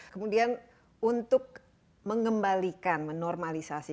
kemudian untuk mengembalikan menormalisasi